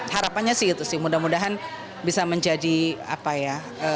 harapannya sih gitu sih mudah mudahan bisa menjadi apa ya